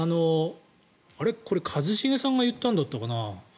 これ、一茂さんが言ったんだったかな。